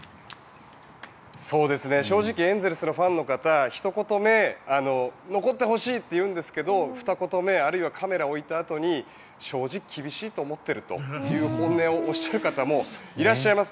正直エンゼルスのファンの方ひと言目、残ってほしいと言うんですけどふた言目あるいはカメラを置いたあとに正直、厳しいと思っているという本音をおっしゃる方もいらっしゃいます。